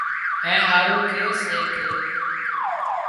اين هارو ڪي سي ڪي